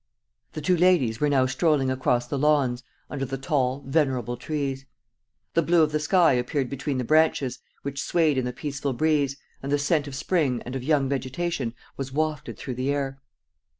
..." The two ladies were now strolling across the lawns, under the tall, venerable trees. The blue of the sky appeared between the branches, which swayed in the peaceful breeze, and the scent of spring and of young vegetation was wafted through the air.